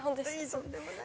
とんでもない。